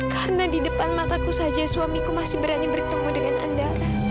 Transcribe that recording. karena di depan mataku saja suamiku masih berani bertemu dengan anda